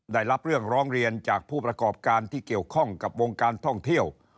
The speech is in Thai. ได้รับเรื่องร้องเรียนจากผู้ประกอบการที่เกี่ยวข้องกับวงการท่องเที่ยว